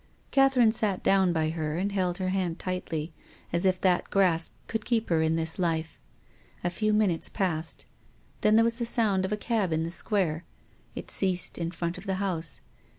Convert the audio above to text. Catherine sat down by her and held her hand tightly, as if that grasp could keep her in this life. A few minutes passed. Then there was the sound of a cab in the Square. It ceased in front of the house.